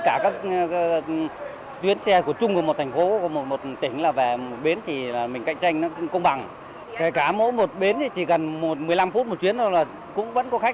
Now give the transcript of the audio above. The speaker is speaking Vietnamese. kể cả mỗi một bến thì chỉ cần một mươi năm phút một chuyến thôi là cũng vẫn có khách